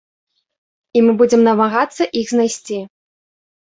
І мы будзем намагацца іх знайсці.